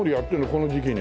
この時期に。